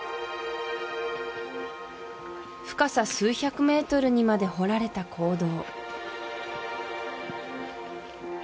深さ数百ｍにまで掘られた坑道